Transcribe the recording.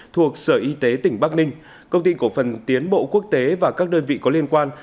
thuộc sở y tế tỉnh bắc ninh công ty cổ phần tiến bộ quốc tế và các đơn vị có liên quan